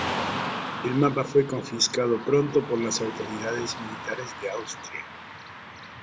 El mapa fue confiscado pronto por las autoridades militares de Austria.